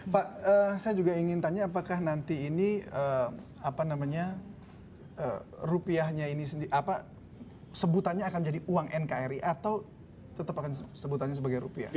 pak saya juga ingin tanya apakah nanti ini apa namanya rupiahnya ini sebutannya akan menjadi uang nkri atau tetap akan sebutannya sebagai rupiah